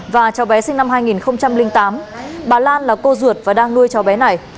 và cháu bé sinh năm hai nghìn tám bà lan là cô ruột và đang nuôi cháu bé này